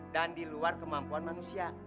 dan diluar kemampuan manusia paham